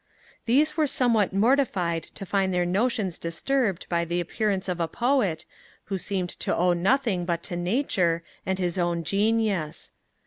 These were somewhat mortified to find their notions disturbed by the appearance of a poet, who seemed to owe nothing but to nature and his own genius.